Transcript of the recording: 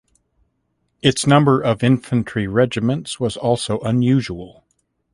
Its number of infantry regiments was also unusual.